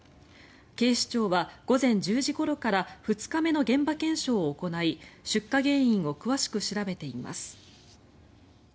警視庁は午前１０時ごろから２日目の現場検証を行い出火原因を詳しく調べています。